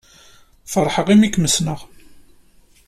Feṛḥeɣ imi kem-ssneɣ.